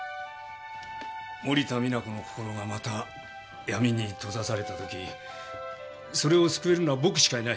「森田実那子の心がまた闇に閉ざされたときそれを救えるのは僕しかいない。